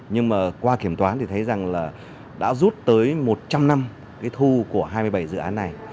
nhưng mà qua kiểm toán thì thấy rằng là đã rút tới một trăm linh năm cái thu của hai mươi bảy dự án này